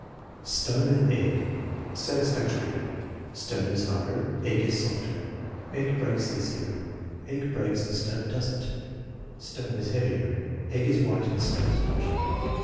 Stone and egg Satisfactory. "Stone is harder." "Egg is softer." "Egg breaks easier." "Egg breaks and stone doesn't." "Stone is heavier." "Egg is white and stone is not."